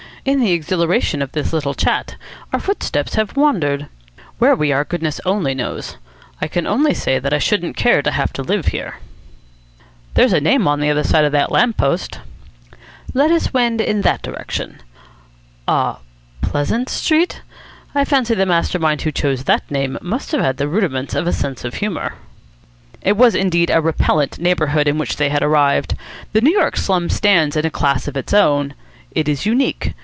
In the exhilaration of this little chat, our footsteps have wandered. Where we are, goodness only knows. I can only say that I shouldn't care to have to live here." "There's a name up on the other side of that lamp post." "Let us wend in that direction. Ah, Pleasant Street? I fancy that the master mind who chose that name must have had the rudiments of a sense of humour." It was indeed a repellent neighbourhood in which they had arrived. The New York slum stands in a class of its own. It is unique.